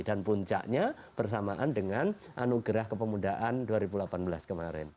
dan puncaknya bersamaan dengan anugerah kepemudaan dua ribu delapan belas kemarin